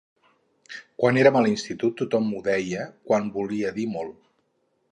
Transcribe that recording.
Quan érem a l'institut tothom ho deia quan volia dir molt.